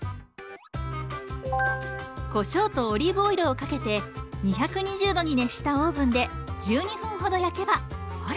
こしょうとオリーブオイルをかけて２２０度に熱したオーブンで１２分ほど焼けばほら。